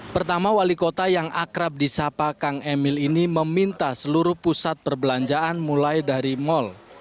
pertama wali kota yang akrab di sapa kang emil ini meminta seluruh pusat perbelanjaan mulai dari mal